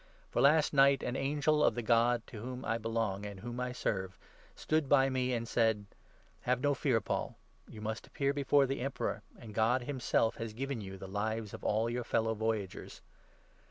For last night an angel of the God to whom I 23 belong, and whom I serve, stood by me, and said —' Have 24 no fear, Paul ; you must appear before the Emperor, and God himself has given you the lives of all your fellow voyagers.'